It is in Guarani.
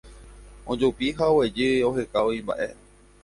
ojupi ha guejy ohekávo imba'e